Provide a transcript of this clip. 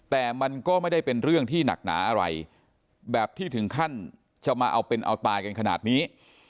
แต่มันก็ไม่ได้เป็นเรื่องที่หนักหนาอะไรแบบที่ถึงขั้นจะมาเอาเป็นเอาตายกันขนาดนี้